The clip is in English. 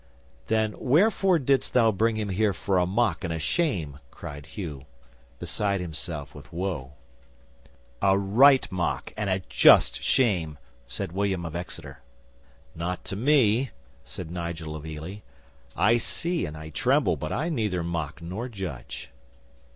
'"Then wherefore didst thou bring him here for a mock and a shame?" cried Hugh, beside himself with woe. '"A right mock and a just shame!" said William of Exeter. '"Not to me," said Nigel of Ely. "I see and I tremble, but I neither mock nor judge."